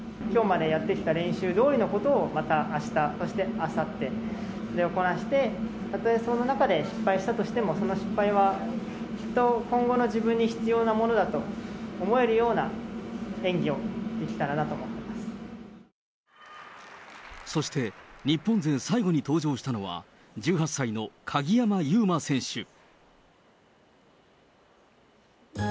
きょうまでやってきた練習どおりのことをまたあした、そしてあさってでこなして、たとえその中で失敗したとしても、その失敗は、きっと今後の自分に必要なものだと思えるような演技をできたらなそして、日本勢最後に登場したのは、１８歳の鍵山優真選手。